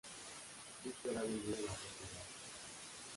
Víctor ha vendido la propiedad.